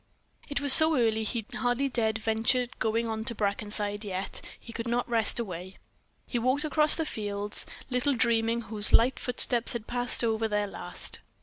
It was so early, he hardly dared venture on going to Brackenside, yet he could not rest away. He walked across the fields, little dreaming whose light footsteps had passed over there last.